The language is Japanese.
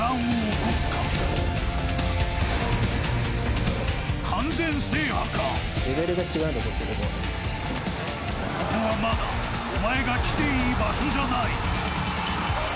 ここはまだお前が来ていい場所じゃない。